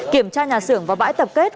kiểm tra nhà xưởng và bãi tập kết